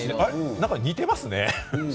何か似てますね。